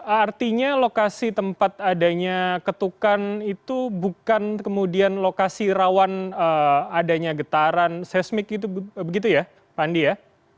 artinya lokasi tempat adanya ketukan itu bukan kemudian lokasi rawan adanya getaran seismik itu begitu ya pak andi ya